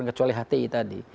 kecuali hti tadi